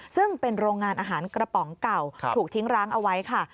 ซึ่งเป็นโรงงานอาหารกระป๋องเก่าถูกทิ้งร้างเอาไว้ค่ะ